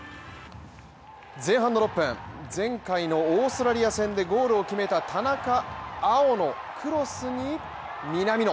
前半６分、前回のオーストラリア戦でゴールを決めた田中碧のクロスに南野。